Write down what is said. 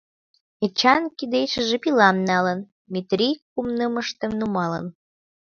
Эчан кидешыже пилам налын, Метрий кум нымыштым нумалын.